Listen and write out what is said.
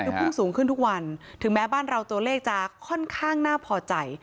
คือพุ่งสูงขึ้นทุกวันถึงแม้บ้านเราตัวเลขจะค่อนข้างน่าพอใจ